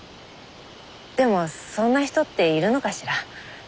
でもそんな人っているのかしら？